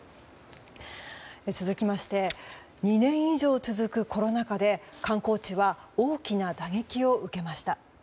続きまして２年以上続くコロナ禍で観光地は大きな打撃を受けました。